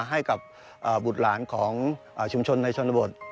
ให้กับบุตรหลานของชุมชนในชนบท